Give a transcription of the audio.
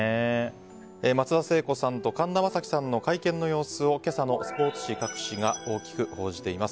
松田聖子さんと神田正輝さんの会見を今朝のスポーツ紙各紙が大きく報じています。